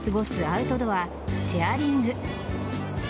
アウトドアチェアリング。